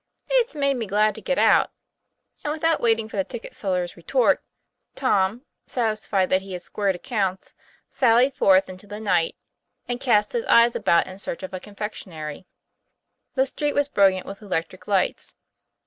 ' "It's made me glad to get out," and without waiting for the ticket seller's retort, Tom, satisfied that he had squared accounts, sallied forth into the night, and cast his eyes about in search of a confec tionery. The street was brilliant with electric lights.